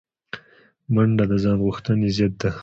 منډه د ځان غوښتنې ضد ده